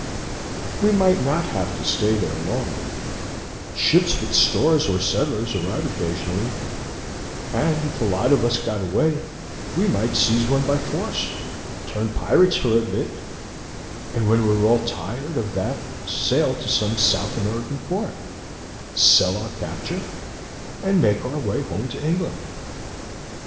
"We might not have to stay there long; ships with stores or settlers arrive occasionally, and if a lot of us got away we might seize one by force, turn pirates for a bit, and when we are tired of that sail to some South American port, sell our capture, and make our way home to England.